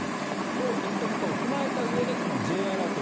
といったことを踏まえたうえでこのＪアラート